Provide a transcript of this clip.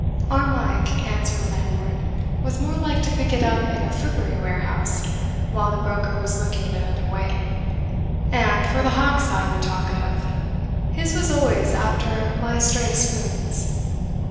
"Our Mike," answered the landlord, "was more like to pick it up in a frippery warehouse, while the broker was looking another way; and, for the hawk's eye you talk of, his was always after my stray spoons.